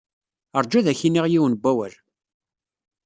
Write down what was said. Ṛju ad ak-iniɣ yiwen n wawal.